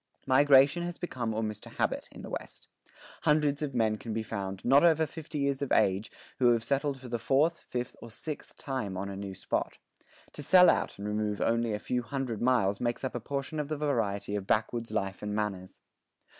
Migration has become almost a habit in the West. Hundreds of men can be found, not over 50 years of age, who have settled for the fourth, fifth, or sixth time on a new spot. To sell out and remove only a few hundred miles makes up a portion of the variety of backwoods life and manners.